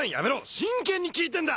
真剣に聞いてんだ！